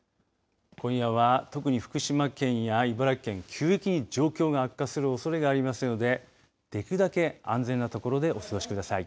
今夜は、特に福島県や茨城県急激に状況が悪化するおそれがありますのでできるだけ安全な所でお過ごしください。